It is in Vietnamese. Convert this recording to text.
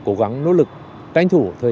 cố gắng nỗ lực tranh thủ thời